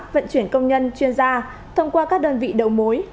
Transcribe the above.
vận chuyển công nhân chuyên gia thông qua các đơn vị đầu mối